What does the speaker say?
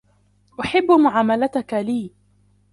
أحب معاملتك لي.